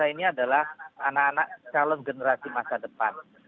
ini adalah anak anak calon generasi masa depan